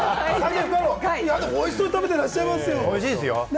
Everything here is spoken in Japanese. おいしそうに食べていらっしおいしいですよ。